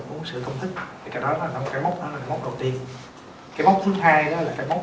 ăn uống sữa công thức thì cái đó là cái mốc đó là cái mốc đầu tiên cái mốc thứ hai đó là cái mốc